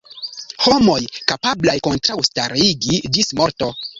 Homoj kapablaj kontraŭstari ĝis morto.